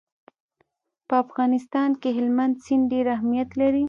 په افغانستان کې هلمند سیند ډېر اهمیت لري.